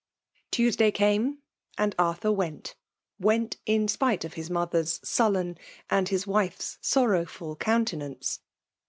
ToESDAT come, — and Arthur went ;— went, in spite of bis mother's sullen> and .his wife*s sor rowful countenance.